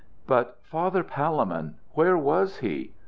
But Father Palemon, where was he?